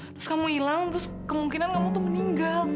terus kamu hilang terus kemungkinan kamu tuh meninggal